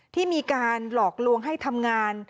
ที่มีการหลอกลวงให้ทำงาน